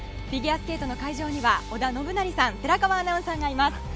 フィギュアスケートの会場には織田信成さん寺川アナウンサーがいます。